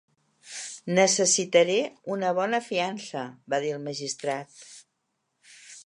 "Necessitaré una bona fiança", va dir el magistrat.